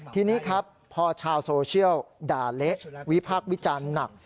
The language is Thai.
ทีนี้ครับพอชาวโซเชียลด่าเละวิพากษ์วิจารณ์หนัก